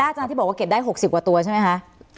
อาจารย์ที่บอกว่าเก็บได้๖๐กว่าตัวใช่ไหมคะ